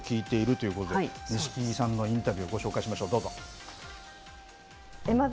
そうでしたね、きょう、けさ、錦木に話を聞いているということで、錦木さんのインタビュー、ご紹介しましょう。